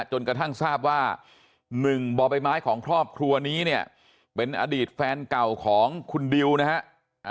จนกระทั่งทราบว่า๑บ่อใบไม้ของครอบครัวนี้เนี่ยเป็นอดีตแฟนเก่าของคุณดิวนะฮะ